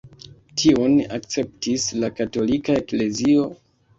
Tiun akceptis la katolika eklezio.